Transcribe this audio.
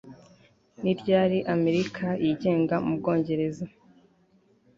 Ni ryari Amerika yigenga mu Bwongereza